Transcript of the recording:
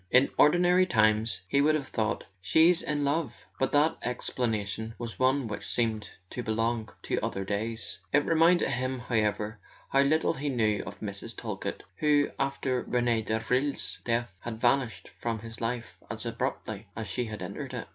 In ordinary times he would have thought: "She's in love " but that explanation was one which seemed to belong to other days. It reminded him, however, how little he knew of Mrs. Talkett, who, after Rene Davril's death, had vanished from his life as abruptly as she had entered it.